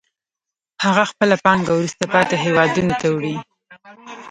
هغه خپله پانګه وروسته پاتې هېوادونو ته وړي